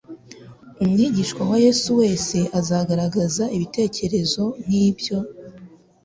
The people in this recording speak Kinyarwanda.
Umwigishwa wa Yesu wese azagaragaza ibitekerezo nk'ibyo.